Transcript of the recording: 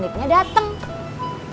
ini ada yang gede